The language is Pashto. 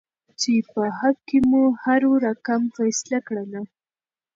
چې په حق کې مو هر رقم فيصله کړله.